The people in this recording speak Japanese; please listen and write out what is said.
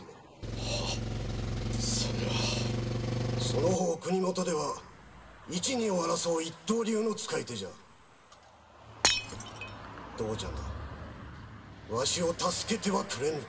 その方国もとでは一二を争う一刀流の使い手じゃどうじゃなワシを助けてはくれぬか？